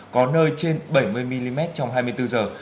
có nơi trên bảy mươi mm trong hai mươi bốn giờ